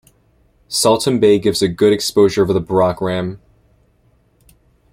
Saltom Bay gives a good exposure of the Brockram.